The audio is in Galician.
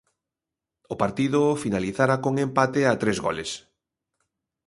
O partido finalizara con empate a tres goles.